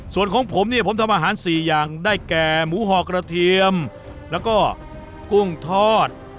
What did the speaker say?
ส่วนของผมเนี่ยผมทำอาหาร๔อย่างได้แก่หมูห่อกระเทียมแล้วก็กุ้งทอด